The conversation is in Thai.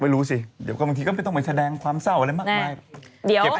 ไม่รู้สิเดี๋ยวก็บางทีก็ไม่ต้องไปแสดงความเศร้าอะไรมากมาย